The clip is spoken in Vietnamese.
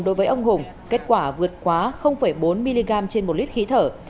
đối với ông hùng kết quả vượt quá bốn mg trên một lít khí thở